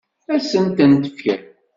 Ad sent-ten-fken?